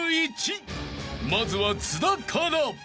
［まずは津田から］